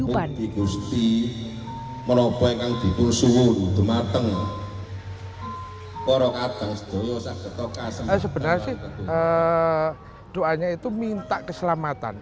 agar id devotee andi pungsu hgehcum ma skech senator